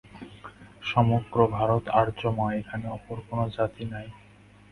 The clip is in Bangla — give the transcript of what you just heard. সমগ্র ভারত আর্যময়, এখানে অপর কোন জাতি নাই।